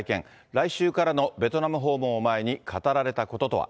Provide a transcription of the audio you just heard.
来週からのベトナム訪問を前に語られたこととは。